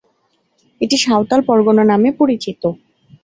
এটাই সাঁওতাল পরগনা নামে পরিচিত।